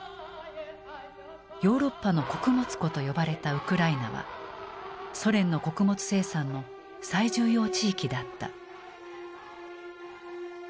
「ヨーロッパの穀物庫」と呼ばれたウクライナはソ連の穀物生産の最重要地域だった。